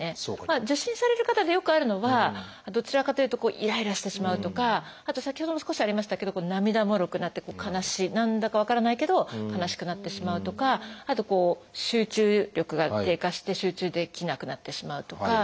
受診される方でよくあるのはどちらかというとイライラしてしまうとかあと先ほども少しありましたけど涙もろくなって悲しい何だか分からないけど悲しくなってしまうとかあと集中力が低下して集中できなくなってしまうとか。